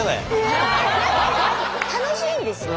楽しいんですよ。